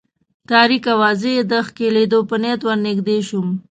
تاریکه وه، زه یې د ښکلېدو په نیت ور نږدې شوم.